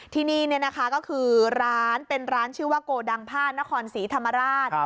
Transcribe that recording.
ที่นี่ก็คือร้านเป็นร้านชื่อว่าโกดังผ้านครศรีธรรมราช